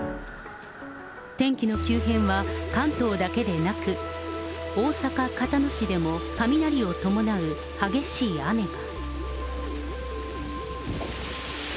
天気の急変は関東だけでなく、大阪・交野市でも、雷を伴う激しい雨が。